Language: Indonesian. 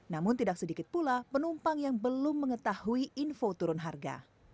namun tidak sedikit pula penumpang yang belum mengetahui info turun harga